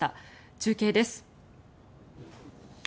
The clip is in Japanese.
中継です。